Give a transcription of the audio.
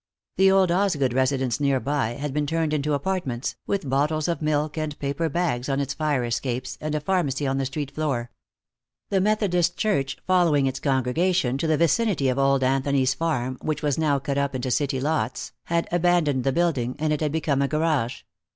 The old Osgood residence, nearby, had been turned into apartments, with bottles of milk and paper bags on its fire escapes, and a pharmacy on the street floor. The Methodist Church, following its congregation to the vicinity of old Anthony's farm, which was now cut up into city lots, had abandoned the building, and it had become a garage.